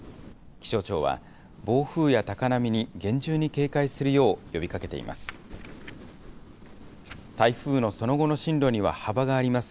気象庁は、暴風や高波に厳重に警戒するよう呼びかけています。